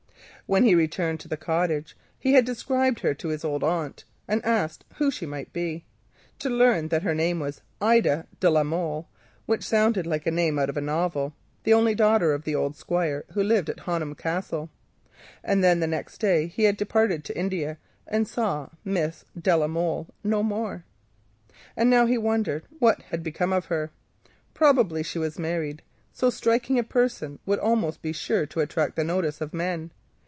When he returned to the cottage he had described her to his old aunt, and asked who she might be, to learn that she was Ida de la Molle (which sounded like a name out of a novel), the only daughter of the old squire who lived at Honham Castle. Next day he had left for India, and saw Miss de la Molle no more. And now he wondered what had become of her. Probably she was married; so striking a person would be almost sure to attract the notice of men.